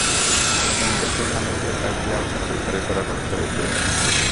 একটি নির্দিষ্ট স্থানে নিয়ে পাইপ দিয়ে আবর্জনা পরিষ্কার করার ব্যবস্থা রয়েছে এতে।